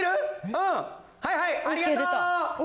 うんはいはいありがとう！